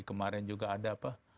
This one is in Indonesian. kemarin juga ada apa